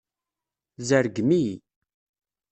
Tzerrgem-iyi.